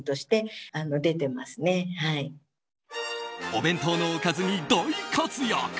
お弁当のおかずに大活躍！